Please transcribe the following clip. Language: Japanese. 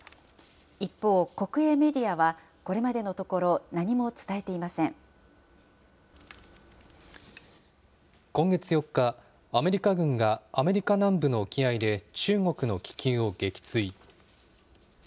一方、国営メディアは、これまでのところ、何も伝えていませ今月４日、アメリカ軍がアメリカ南部の沖合で中国の気球を撃墜。